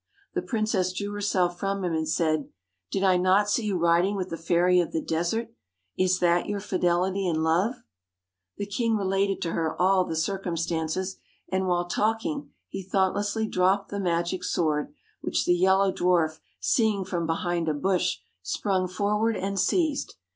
The princess drew herself from him and said: ' Did I not see you riding with the Fairy of the Desert? Is that your fidelity and love ?' The king related to her all the circumstances; and while talking he thoughtlessly dropped the magic sword, which the Yellow Dwarf seeing from behind a bush, sprung forward and seized.